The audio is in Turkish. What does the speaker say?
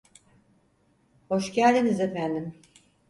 Hoş geldiniz efendim.